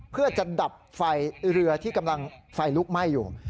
เพื่อจะดับไฟเรือที่กำลังไฟลุกไหม้อยู่